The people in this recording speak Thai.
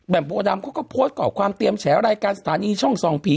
แบบประดับก็ก็โพสต์ก่อความเตียมคร้ายลายการศาลงี้ช่องซองผี